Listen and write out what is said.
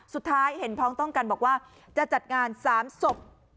สุดท้ายเห็นพ้องต้องกันบอกว่าจะจัดงาน๓ศพ